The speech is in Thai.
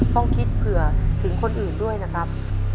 ต้องคิดเผื่อถึงคนอื่นด้วยนะครับ